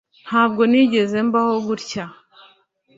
Ntabwo nigeze mbaho gutya